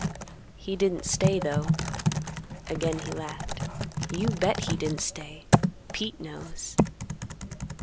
He didn't stay, though." Again he laughed. "You bet he didn't stay! Pete knows."